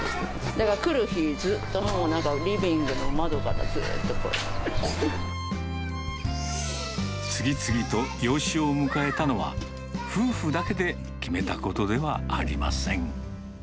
だから、来る日、ずっともう、なんかリビングの窓からずっ次々と養子を迎えたのは、夫婦だけで決めたことではありません。